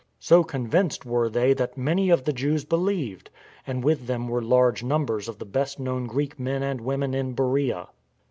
So con vinced were they that many of the Jews believed, and with them were large numbers of the best known Greek men and women in Beroea.